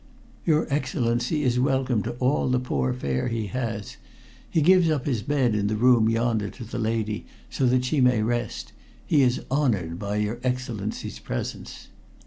"Your Excellency is welcome to all the poor fare he has. He gives up his bed in the room yonder to the lady, so that she may rest. He is honored by your Excellency's presence."